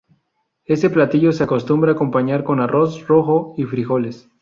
Este platillo se acostumbra acompañar con arroz rojo y frijoles.